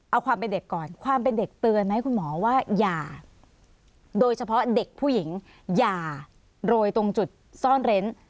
เอาความเป็นเด็กก่อนความเป็นเด็กเตือนไหมคุณหมอว่าอย่าโดยเฉพาะเด็กผู้หญิงอย่าโรยตรงจุดซ่อนเร้น